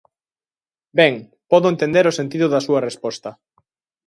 Ben, podo entender o sentido da súa resposta.